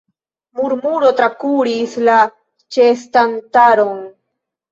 Murmuro trakuris la ĉeestantaron.